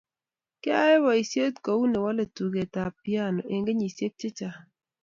Kiyayai boisiet kou newolei tugetap piano eng kenyisiek chechang